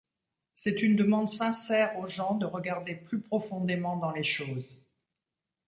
C'est une demande sincère aux gens de regarder plus profondément dans les choses.